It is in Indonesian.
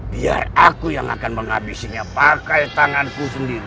biar aku yang akan menghabisinya pakai tanganku sendiri